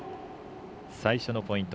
最初のポイント